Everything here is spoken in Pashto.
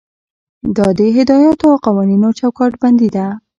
دا د هدایاتو او قوانینو چوکاټ بندي ده.